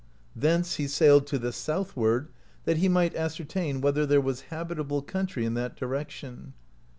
Thence he sailed to the southward, that l\2 might ascertain whether there was habitable country in that direction.